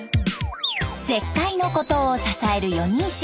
絶海の孤島を支える四人衆。